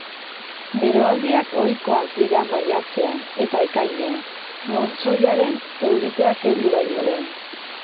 Beroaldiak ohikoak dira maiatzean eta ekainean, montzoiaren euriteak heldu baino lehen.